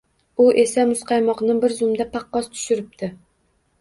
U esa muzqaymoqni bir zumda paqqos tushiribdi